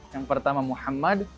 yang pertama muhammad